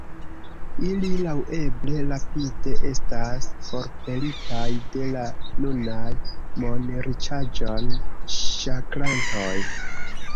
Ili laŭeble rapide estas forpelitaj de la nunaj monriĉaĵon ŝakrantoj“.